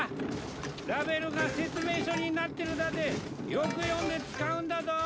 ラベルが説明書になってるだでよく読んで使うんだぞ。